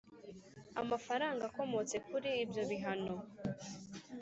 Amafaranga akomotse kuri ibyo bihano